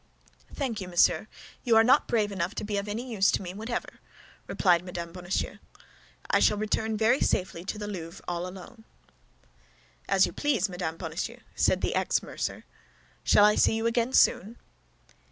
"Thank you, monsieur, you are not brave enough to be of any use to me whatever," replied Mme. Bonacieux. "I shall return very safely to the Louvre all alone." "As you please, Madame Bonacieux," said the ex mercer. "Shall I see you again soon?"